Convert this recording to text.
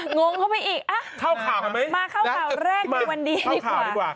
งงเข้าไปอีกอ๊ะมาเข้าข่าวแรกกับวันนี้ดีกว่าเข้าข่าวดีกว่า